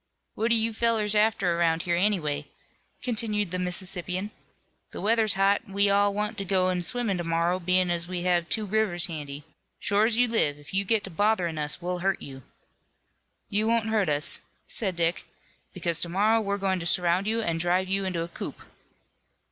"What are you fellows after around here, anyway?" continued the Mississippian. "The weather's hot an' we all want to go in swimmin' to morrow, bein' as we have two rivers handy. Shore as you live if you get to botherin' us we'll hurt you." "You won't hurt us," said Dick, "because to morrow we're going to surround you and drive you into a coop."